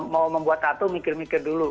mau membuat satu mikir mikir dulu